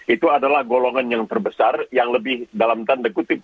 itu adalah golongan yang terbesar yang lebih dalam tanda kutip